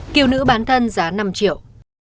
kiều nữ bán thân giá năm triệu